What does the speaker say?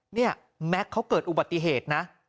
เนี่ยแม็กซ์เขาเกิดอุบัติเหตุนะ